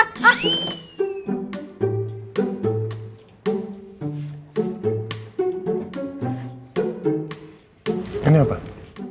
pekinannya lagi ini apa udah buka aja